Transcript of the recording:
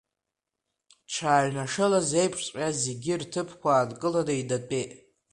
Дшааҩнашылаз еиԥшҵәҟьа, зегьы рҭыԥқәа аанкыланы инатәеит.